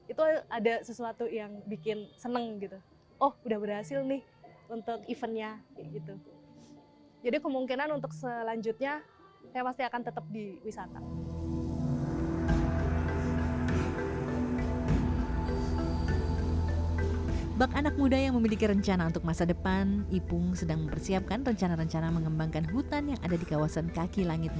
itu ada sesuatu yang bikin seneng gitu